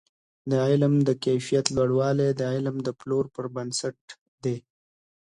د علم د کیفیت لوړوالی د علم د پلور پر بنسټ دی.